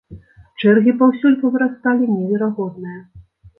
Чэргі паўсюль павырасталі неверагодныя.